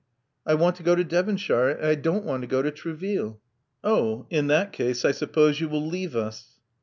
I want to go to Devonshire and I don't want to go to Trouville." Oh! In that case I suppose you will leave us."